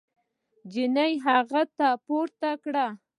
نجلۍ هغه پورته کړ.